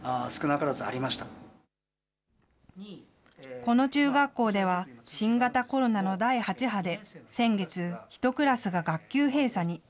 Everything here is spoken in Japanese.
この中学校では新型コロナの第８波で、先月、１クラスが学級閉鎖に。